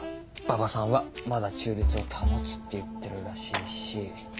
馬場さんはまだ中立を保つって言ってるらしいし。